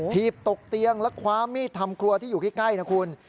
ถีบตกเตียงและคว้ามีดทำครัวที่อยู่ใกล้นะคุณ